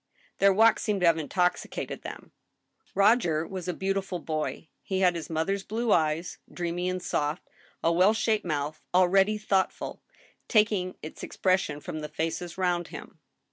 Their walk seemed to have intoxicated them. Roger was a beautiful boy ; he had his mother's blue eyes, dreamy and soft, a well shaped mouth, already thoughtful, taking its expression from the faces round him.